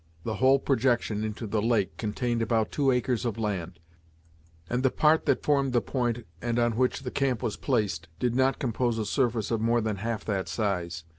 The whole projection into the lake contained about two acres of land; and the part that formed the point, and on which the camp was placed, did not compose a surface of more than half that size.